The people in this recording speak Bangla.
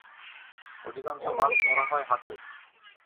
অধিকাংশ মাছ ধরা হয় হাতে।